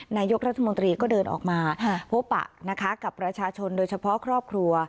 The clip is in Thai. นายกรัฐมนตรีก็เดินออกมาพบปะนะคะกับประชาชนโดยเฉพาะครอบครัว